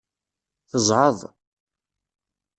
Tezɛeḍ.